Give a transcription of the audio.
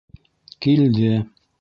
- Килде.